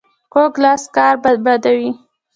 کوږ لاس کار بربادوي